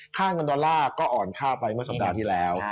เงินดอลลาร์ก็อ่อนค่าไปเมื่อสัปดาห์ที่แล้ว